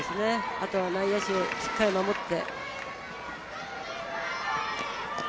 あとは内野手、しっかり守って。